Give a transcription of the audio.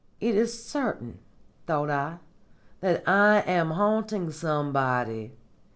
'It is certain,' thought I, 'that I am haunting somebody.